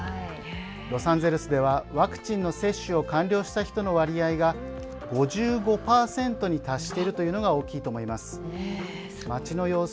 ロサンゼルスではワクチンの接種を完了した人の割合が５５％に達しているというのが大きいと思います。